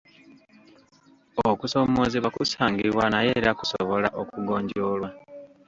Okusoomoozebwa kusangibwa naye era kusobola okugonjoolwa.